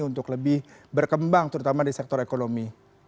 untuk lebih berkembang terutama di sektor ekonomi